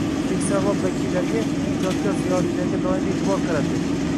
Keksa avlod vakillariga – ijodkor ziyolilarga doimiy e’tibor qaratish